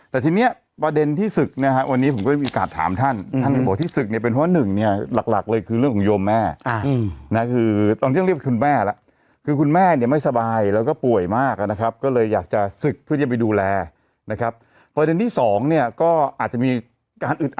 แต่ทีนี้ประเด็นที่ศึกนะฮะวันนี้ผมก็มีโอกาสถามท่านท่านบอกที่ศึกเนี่ยเป็นเพราะหนึ่งเนี่ยหลักหลักเลยคือเรื่องของโยมแม่นะคือตอนนี้ต้องเรียกคุณแม่แล้วคือคุณแม่เนี่ยไม่สบายแล้วก็ป่วยมากนะครับก็เลยอยากจะศึกเพื่อจะไปดูแลนะครับประเด็นที่สองเนี่ยก็อาจจะมีการอึดอ